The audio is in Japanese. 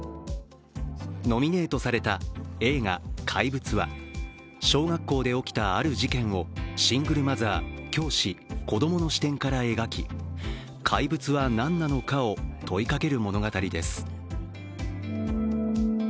ノミネートされた映画「怪物」は小学校で起きたある事件をシングルマザー、教師、子どもの視点から描き怪物は何なのかを問いかける物語です。